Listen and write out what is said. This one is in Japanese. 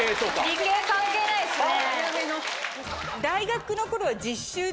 理系関係ないですね。